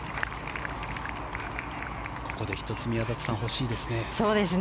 ここで１つ宮里さん欲しいですね。